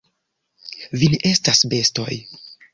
Vi ne estas bestoj!